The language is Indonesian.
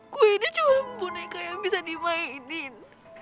gue ini cuma pembunyikan yang bisa dimainin